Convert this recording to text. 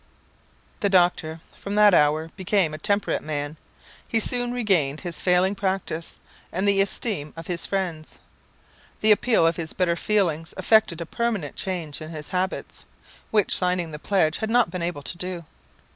The doctor, from that hour, became a temperate man. He soon regained his failing practice, and the esteem of his friends. The appeal of his better feelings effected a permanent change in his habits, which signing the pledge had not been able to do.